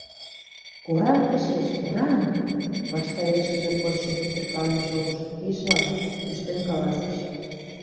— Кораҥ тышеч, кораҥ! — ваштарешыже почшым пӱтыркален шогышо пийжылан кӱштен каласыш.